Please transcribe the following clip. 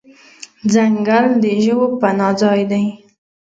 ځنګل د ژوو پناه ځای دی.